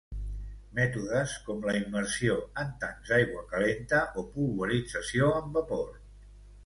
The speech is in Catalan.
Mètodes com la immersió en tancs d'aigua calenta o polvorització amb vapor.